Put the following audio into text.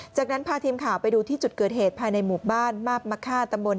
จากนั้นพาทีมข่าวไปดูที่จุดเกิดเหตุภายในหมู่บ้านมาบมะค่าตำบล